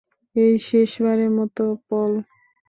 এই শেষ বারের মত, পল।